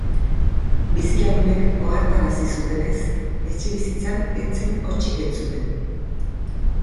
Bizilagunek ohartarazi zutenez, etxebizitzan ez zen hotsik entzuten.